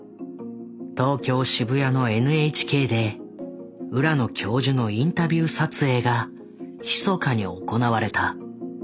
東京渋谷のＮＨＫで浦野教授のインタビュー撮影がひそかに行われた。